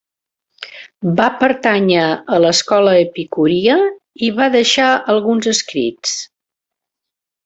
Va pertànyer a l'escola epicúria i va deixar alguns escrits.